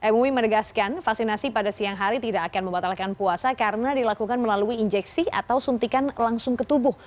mui menegaskan vaksinasi pada siang hari tidak akan membatalkan puasa karena dilakukan melalui injeksi atau suntikan langsung ke tubuh